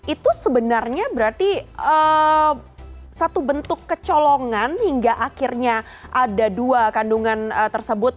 itu sebenarnya berarti satu bentuk kecolongan hingga akhirnya ada dua kandungan tersebut